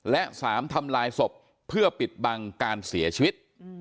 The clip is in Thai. และ๓ทำลายศพเพื่อปิดบังการเสียชีวิต